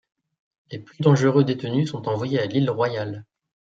Les plus dangereux détenus sont envoyés à l'île Royale.